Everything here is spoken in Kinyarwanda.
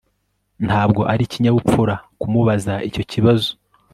Ntabwo ari ikinyabupfura kumubaza icyo kibazo